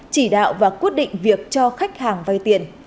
chỉ đạo và quyết định việc cho khách hàng vay tiền